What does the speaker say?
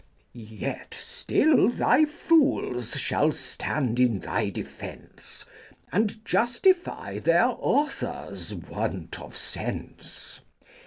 Yet still thy fools shall stand in thy defence, And justify their author's want of sense.